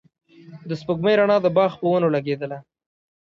د سپوږمۍ رڼا د باغ په ونو لګېدله.